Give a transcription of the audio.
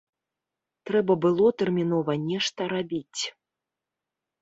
Трэба было тэрмінова нешта рабіць.